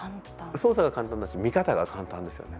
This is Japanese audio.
操作が簡単だし見方が簡単ですよね。